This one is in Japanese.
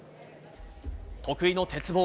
得意の鉄棒。